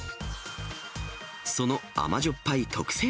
その甘じょっぱい特製